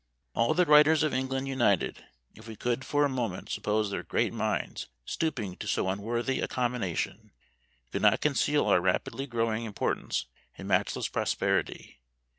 All the writers of England united, if we could for a moment suppose their great minds stooping to so unworthy a combination, could not conceal our rapidly growing importance and matchless prosperity.